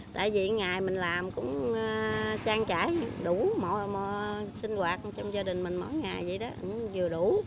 tại vì ngày mình làm cũng trang trải đủ sinh hoạt trong gia đình mình mỗi ngày vậy đó cũng vừa đủ